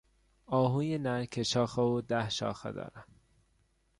آهوی نر که شاخ او ده شاخه دارد